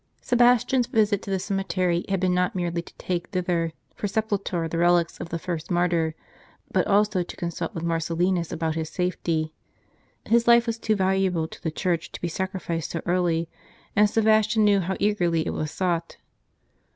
[EBASTIAN'S visit to the cemetery had been not merely to take thithei' for sepulture the relics of the first martyr, but also to consult with Marcellinus about his safety. His life was too val uable to the Church to be sacrificed so early, and Sebastian knew how eagerly it was sought.